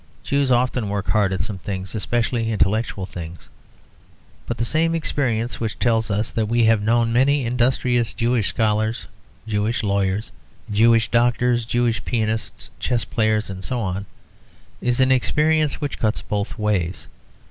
Jews often work hard at some things, especially intellectual things. But the same experience which tells us that we have known many industrious Jewish scholars, Jewish lawyers, Jewish doctors, Jewish pianists, chess players and so on, is an experience which cuts both ways.